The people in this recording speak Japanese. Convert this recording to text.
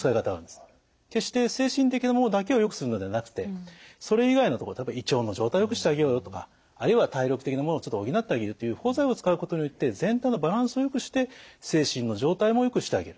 決して精神的なものだけをよくするのではなくてそれ以外のところ例えば胃腸の状態をよくしてあげようよとかあるいは体力的なものをちょっと補ってあげるという補剤を使うことによって全体のバランスをよくして精神の状態もよくしてあげる。